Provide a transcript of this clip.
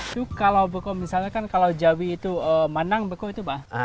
itu kalau misalnya kalau jawi itu manang itu apa